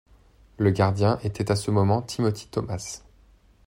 Le gardien était à ce moment Timothy Thomas.